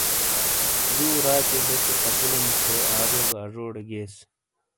دو راتیئے بیسے خپلو نی تھے آدو گا اجوٹے گیئس۔